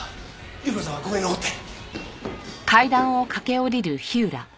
有雨子さんはここに残って！